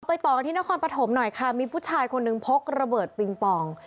ต่อกันที่นครปฐมหน่อยค่ะมีผู้ชายคนหนึ่งพกระเบิดปิงปอง